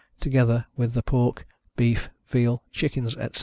together with the pork, beef, veal, chickens, etc.